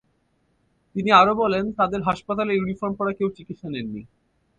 তিনি আরও বলেন, তাঁদের হাসপাতালে ইউনিফর্ম পরা কেউ চিকিৎসা নেননি।